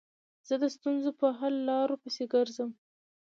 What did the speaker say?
زه د ستونزو په حل لارو پيسي ګرځم.